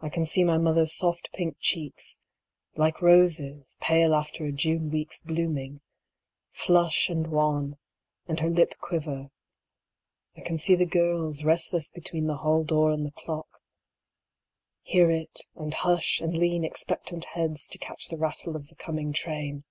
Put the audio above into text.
I can see my mother's soft pink cheeks (like roses, pale after a June week's blooming,) flush and wan, and her lip quiver; I can see the girls, restless between the hall door and the clock, hear it and hush and lean expectant heads to catch the rattle of the coming train; __ 92 COMING HOME.